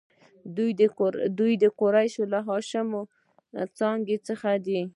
دوی د قریشو له هاشمي څانګې څخه دي.